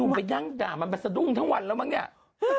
ไปยั่งจ่ะมันไปซะดุ้งทั้งวันแล้วไหมเนี่ย